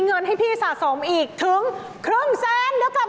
พี่ชาติสะสมอีกถึงครึ่งแสนเดี๋ยวกลับมาค่ะ